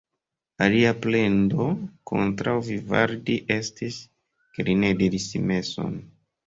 Alia plendo kontraŭ Vivaldi estis, ke li ne diris meson.